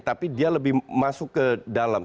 tapi dia lebih masuk ke dalam